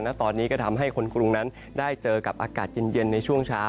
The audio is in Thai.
ตอนนี้ก็ทำให้คนกรุงนั้นได้เจอกับอากาศเย็นในช่วงเช้า